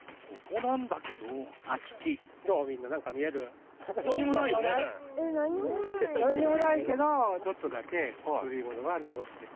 なんにもないけどちょっとだけ古いものが残ってるんです。